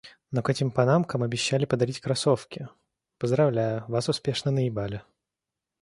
«Но к этим панамкам обещали подарить кроссовки!» — «Поздравляю, вас успешно наебали!»